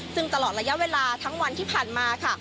ซึ่งตลอดระยะเวลาทั้งวันที่ผ่านมาค่ะ